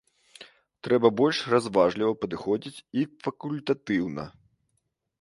Трэба больш разважліва падыходзіць і факультатыўна.